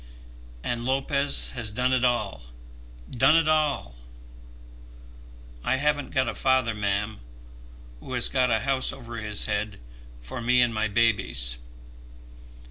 And Lopez has done it all, done it all! I haven't got a father, ma'am, who has got a house over his head for me and my babies.